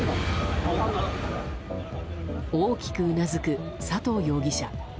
大きくうなずく、佐藤容疑者。